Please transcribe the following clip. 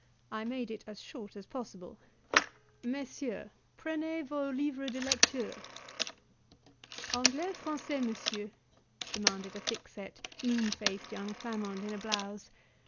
I made it as short as possible: "Messieurs, prenez vos livres de lecture." "Anglais ou Francais, monsieur?" demanded a thickset, moon faced young Flamand in a blouse.